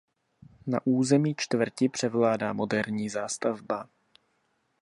Na území čtvrti převládá moderní zástavba.